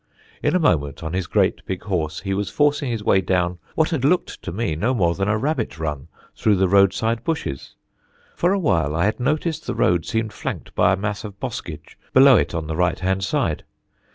In a moment, on his great big horse, he was forcing his way down what had looked to me no more than a rabbit run through the roadside bushes. For a while I had noticed the road seemed flanked by a mass of boskage below it on the right hand side.